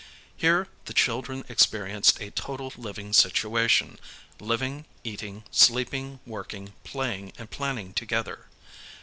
Here the children experienced a total living situation: living, eating, sleeping, working, playing, and planning together.